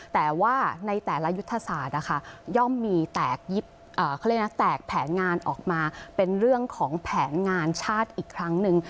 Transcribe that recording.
แต่ว่าในแต่ละยุทธศาสตร์นะคะย่อมมีแตกเขาเรียกนะแตกแผนงานออกมาเป็นเรื่องของแผนงานชาติอีกครั้งหนึ่ง